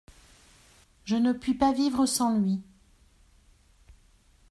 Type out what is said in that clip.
Je ne puis pas vivre sans lui.